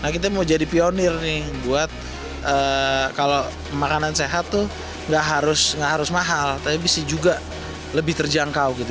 kita mau jadi pionir buat kalau makanan sehat itu tidak harus mahal tapi bisa juga lebih terjangkau